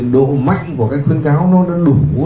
độ mạnh của cái khuyến cáo nó đủ